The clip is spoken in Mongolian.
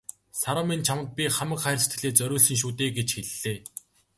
"Саран минь чамд би хамаг хайр сэтгэлээ зориулсан шүү дээ" гэж хэллээ.